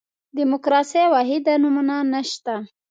دیموکراسي واحده نمونه نه شته.